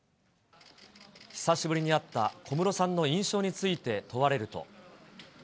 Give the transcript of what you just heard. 久しぶりに会った小室さんの印象について問われると。